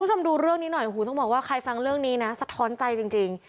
คุณผู้ชมดูเรื่องนี้หน่อยโอ้โหต้องบอกว่าใครฟังเรื่องนี้นะสะท้อนใจจริง